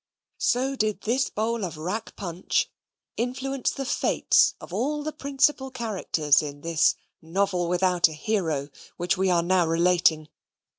so did this bowl of rack punch influence the fates of all the principal characters in this "Novel without a Hero," which we are now relating.